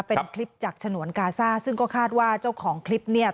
เป็นคลิปจากฉนวนกาซ่าซึ่งก็คาดว่าเจ้าของคลิปเนี่ย